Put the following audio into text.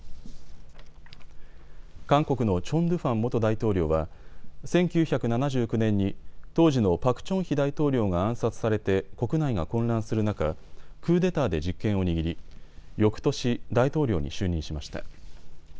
韓国のチョン・ドゥファン元大統領は１９７９年に当時のパク・チョンヒ大統領が暗殺されて国内が混乱する中、クーデターで実権を握りよくとし、大統領に就任しました。